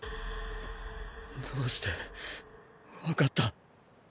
どうしてわかった？